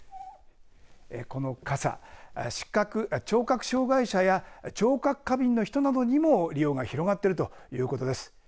この傘、聴覚障害者や聴覚過敏の人などにも、利用が広がっているということです。